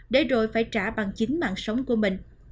để rồi phải trả bằng chính mạng sống của mình